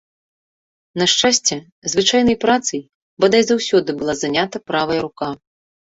На шчасце, звычайнай працай, бадай, заўсёды была занята правая рука.